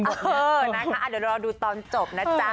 เดี๋ยวรอดูตอนจบ